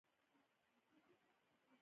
ټینګار وکړ.